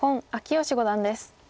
義五段です。